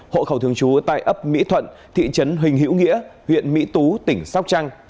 hộ khẩu thường trú tại ấp mỹ thuận thị trấn huỳnh hữu nghĩa huyện mỹ tú tỉnh sóc trăng